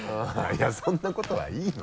いやそんなことはいいのよ。